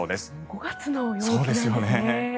５月の陽気なんですね。